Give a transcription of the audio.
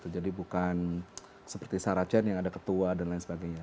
jadi bukan seperti sarah chen yang ada ketua dan lain sebagainya